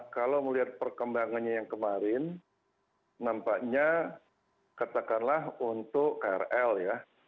kalau melihat perkembangannya yang kemarin nampaknya katakanlah untuk krl ya